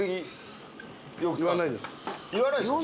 言わないですか？